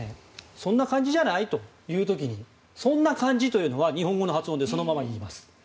そんな感じじゃない？と言う時にそんな感じというのは日本語の発音でそのまま言います。